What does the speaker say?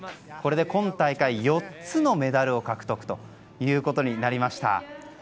これで今大会４つのメダル獲得となりました。